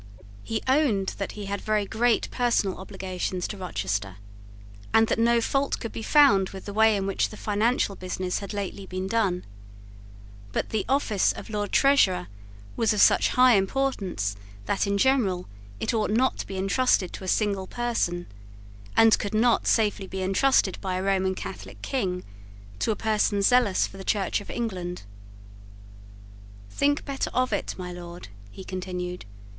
He owned that he had very great personal obligations to Rochester, and that no fault could be found with the way in which the financial business had lately been done: but the office of Lord Treasurer was of such high importance that, in general, it ought not to be entrusted to a single person, and could not safely be entrusted by a Roman Catholic King to a person zealous for the Church of England. "Think better of it, my Lord," he continued.